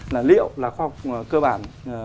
là liệu là khoa học cơ bản